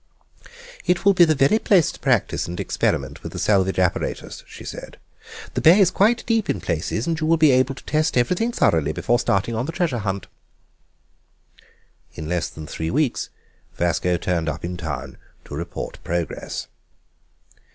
"It will be the very place to practise and experiment with the salvage apparatus," she said; "the bay is quite deep in places, and you will be able to test everything thoroughly before starting on the treasure hunt." In less than three weeks Vasco turned up in town to report progress.